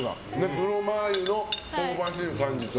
黒マー油の香ばしい感じと。